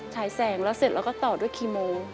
ฉายแสงแล้วเสร็จแล้วก็ต่อด้วยคีโม